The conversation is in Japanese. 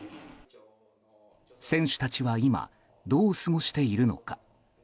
選手たちは今、どう過ごしているのか。